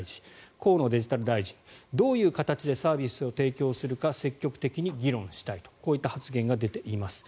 河野デジタル大臣、どういう形でサービスを提供するか積極的に議論したいとこういった発言が出ています。